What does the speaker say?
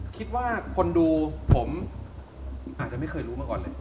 คิดว่าคนดูผมอาจจะไม่เคยรู้มาก่อนเลย